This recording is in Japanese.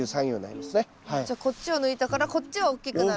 じゃこっちを抜いたからこっちは大きくなるけど。